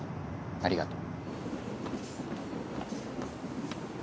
ありがとう。